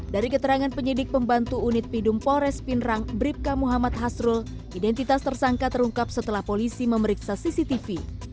dari keterangan penyidik pembantu unit pidum polres pindrang bribka muhammad hasrul identitas tersangka terungkap setelah polisi memeriksa cctv